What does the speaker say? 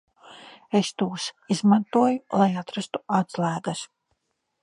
Es tos izmantoju, lai atrastu atslēgas.